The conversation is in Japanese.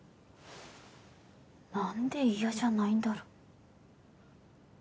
何で嫌じゃないんだろ